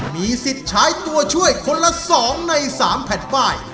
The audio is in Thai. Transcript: มีสิทธิ์ใช้ตัวช่วยคนละ๒ใน๓แผ่นป้าย